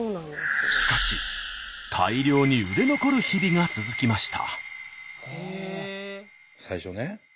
しかし大量に売れ残る日々が続きました。